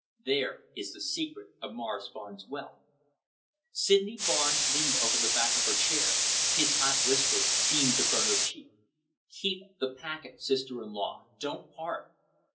There is the secret of Morris Barnes' wealth." Sydney Barnes leaned over the back of her chair. His hot whisper seemed to burn her cheek. "Keep the packet, sister in law. Don't part!"